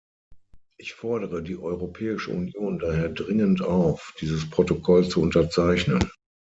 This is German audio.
Ich fordere die Europäische Union daher dringend auf, dieses Protokoll zu unterzeichnen.